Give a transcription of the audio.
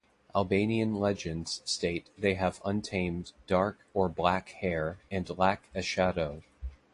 Albanian legends state they have untamed dark or black hair and lack a shadow.